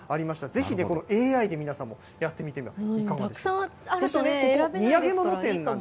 ぜひこのＡＩで皆さんも、やってみてはいかがでしょうか。